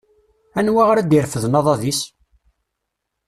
Anwa ara d-irefden aḍad-is?